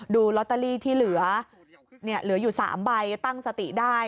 ดูลอตเตอรี่ที่เหลืออยู่๓ใบตั้งสติได้